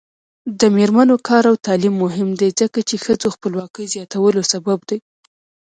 د میرمنو کار او تعلیم مهم دی ځکه چې ښځو خپلواکۍ زیاتولو سبب دی.